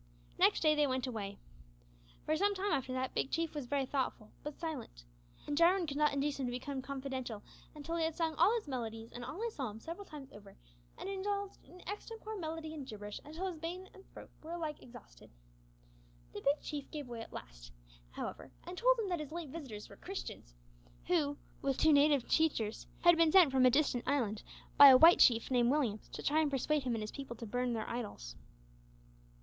Next day they went away. For some time after that Big Chief was very thoughtful, but silent, and Jarwin could not induce him to become confidential until he had sung all his melodies and all his psalms several times over, and had indulged in extempore melody and gibberish until his brain and throat were alike exhausted. The Big Chief gave way at last, however, and told him that his late visitors were Christians, who, with two native teachers, had been sent from a distant island by a white chief named Williams, to try and persuade him and his people to burn their idols.